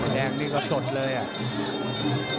แดงนี่ก็สดเลยอ่ะ